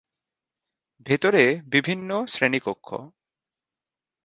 ভেতরে বিভিন্ন শ্রেণিকক্ষ।